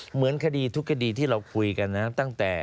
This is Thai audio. เหมือนคดีทุกคดีที่เราคุยกันนะตั้งแต่